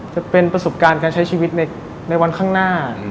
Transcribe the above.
จะเป็นประสบการณ์การใช้ชีวิตในวันข้างหน้า